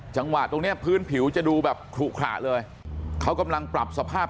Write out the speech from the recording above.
จังหวะตรงเนี้ยพื้นผิวจะดูแบบขลุขระเลยเขากำลังปรับสภาพ